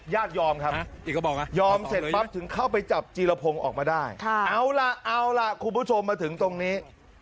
ยอมครับยอมเสร็จปั๊บถึงเข้าไปจับจีรพงศ์ออกมาได้เอาล่ะเอาล่ะคุณผู้ชมมาถึงตรงนี้